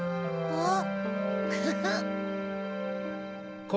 あっ！